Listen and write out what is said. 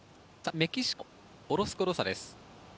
メキシコのオロスコロサです。